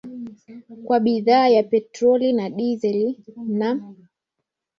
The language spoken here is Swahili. kwa bidhaa ya petroli na dizeli na